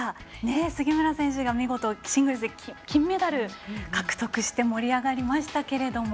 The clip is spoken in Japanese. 杉村選手が見事シングルスで金メダル獲得して盛り上がりましたけれども。